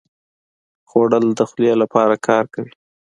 خوړل د خولې لپاره کار کوي